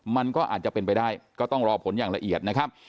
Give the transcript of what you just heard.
มันก็อาจจะเป็นไปได้ก็ต้องรอผลอย่างละเอียดนะครับ